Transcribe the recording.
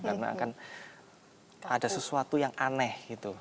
karena akan ada sesuatu yang aneh gitu